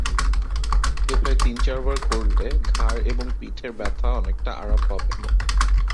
এভাবে তিন-চারবার করলে ঘাড় এবং পিঠের ব্যথা থেকে অনেকটা আরাম পাবেন।